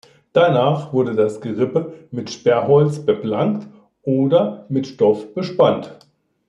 Danach wurde das Gerippe mit Sperrholz beplankt oder mit Stoff bespannt.